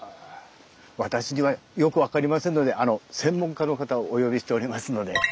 私にはよく分かりませんので専門家の方をお呼びしておりますので。